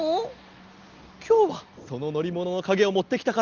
きょうはそののりもののかげをもってきたからあててみておくれ。